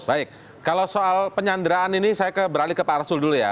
baik kalau soal penyanderaan ini saya beralih ke pak arsul dulu ya